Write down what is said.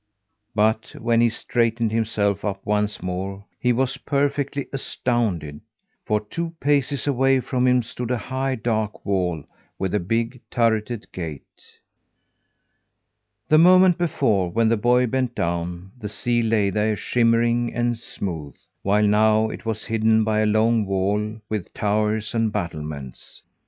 But when he straightened himself up once more he was perfectly astounded, for two paces away from him stood a high, dark wall with a big, turreted gate. The moment before, when the boy bent down, the sea lay there shimmering and smooth, while now it was hidden by a long wall with towers and battlements.